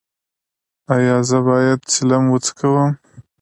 ایا زه باید چلم وڅکوم؟